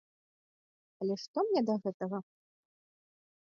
Але што мне да гэтага!